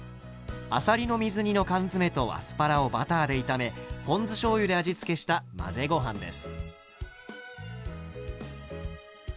あさりの水煮の缶詰とアスパラをバターで炒めポン酢しょうゆで味付けした混ぜご飯です。